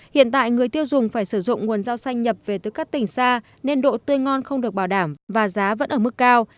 hiện tại người tiêu dùng phải sử dụng nguồn rau xanh nhập về từ các tỉnh xa nên độ tươi ngon không được bảo đảm và giá vẫn ở mức cao